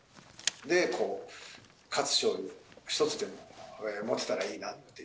自分自身の力で勝つ勝利を１つでも持てたらいいなっていう。